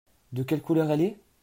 De quelle couleur elle est ?